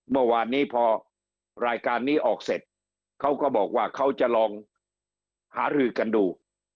เมื่อวานนี้พอรายการนี้ออกเสร็จเขาก็บอกว่าเขาจะลองหารือกันดู